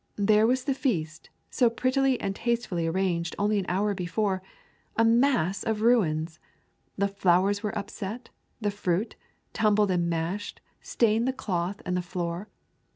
There was the feast, so prettily and tastefully arranged only an hour before, a mass of ruins! The flowers were upset, the fruit, tumbled and mashed, stained the cloth and the floor.